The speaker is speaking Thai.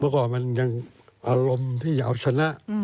เมื่อก่อนมันยังอารมณ์ที่อยากเอาชนะ